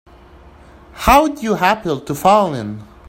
How'd you happen to fall in?